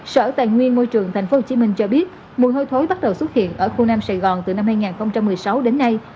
sở tài nguyên môi trường tp hcm cho biết mùi hôi thối bắt đầu xuất hiện ở khu nam sài gòn từ năm hai nghìn một mươi sáu đến nay